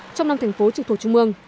trong năm thành phố trực thuộc trung mương